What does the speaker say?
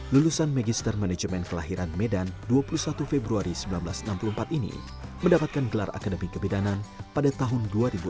lulusan magister manajemen kelahiran medan dua puluh satu februari seribu sembilan ratus enam puluh empat ini mendapatkan gelar akademi kebidanan pada tahun dua ribu enam belas